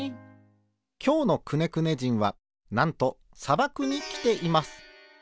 きょうのくねくね人はなんとさばくにきています。